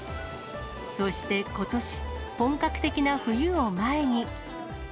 そして、ことし、本格的な冬を前に。